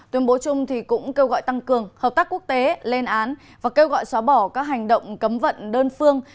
tuyên bố chung cũng kêu gọi tăng cường hợp tác quốc tế lên án và kêu gọi xóa bỏ các hành động cấm vận đơn phương